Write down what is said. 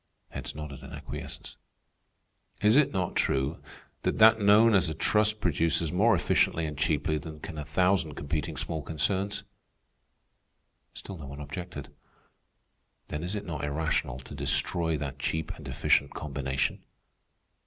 Heads nodded in acquiescence. "Is it not true that that known as a trust produces more efficiently and cheaply than can a thousand competing small concerns?" Still no one objected. "Then is it not irrational to destroy that cheap and efficient combination?"